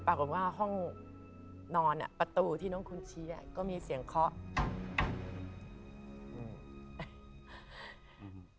ปรากฏว่าห้องนอนอ่ะประตูที่น้องคุณชี้อ่ะก็มีเสียงเคาะอืม